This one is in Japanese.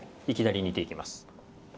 いきなり煮ていきます。